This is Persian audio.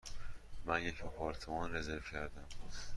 من یک آپارتمان رزرو کردم.